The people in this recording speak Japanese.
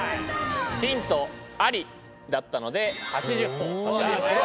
ヒントありだったので８０ほぉを差し上げましょう。